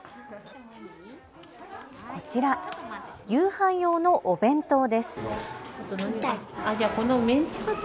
こちら、夕飯用のお弁当です。